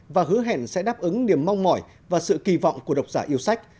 và hứa hẹn sẽ đáp ứng niềm mong mỏi và sự kỳ vọng của độc giả yêu sách